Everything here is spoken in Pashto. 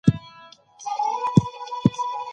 ښوونځې لوستې میندې د ماشومانو د خوړو پاکوالی مهم بولي.